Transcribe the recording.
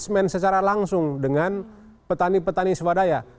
menyerap minyak sawit